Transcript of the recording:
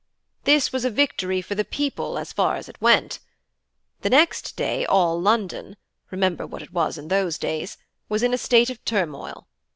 This was a victory for the people as far as it went. The next day all London (remember what it was in those days) was in a state of turmoil.